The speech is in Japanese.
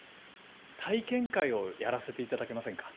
体験会をやらせていただけませんか？